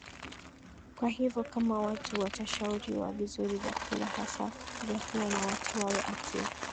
kwa hivyo kama watu watashauriwa vizuri vyakula hasa vyakula na watu wawe active